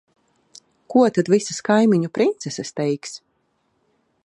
Ko tad visas kaimiņu princeses teiks?